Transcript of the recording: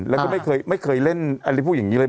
แล้วก็ไม่เคยเล่นแอลิพู่อย่างนี้เลย